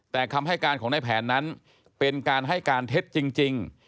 แต่คำให้การของในแผนนั้นเป็นการให้การเท็จจริง